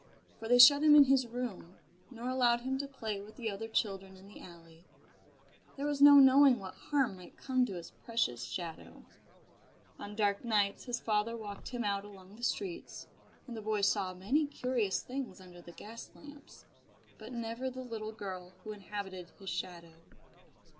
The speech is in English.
For they shut him in his room, nor allowed him to play with the other children in the alley there was no knowing what harm might come to his precious shadow. On dark nights his father walked him out along the streets; and the boy saw many curious things under the gas lamps, but never the little girl who inhabited his shadow.